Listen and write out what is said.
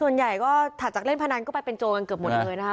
ส่วนใหญ่ก็ถัดจากเล่นพนันก็ไปเป็นโจรกันเกือบหมดเลยนะคะ